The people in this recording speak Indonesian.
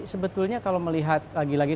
sebetulnya kalau melihat lagi lagi